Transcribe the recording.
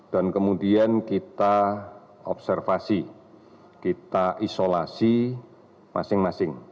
dan kemudian kita observasi kita isolasi masing masing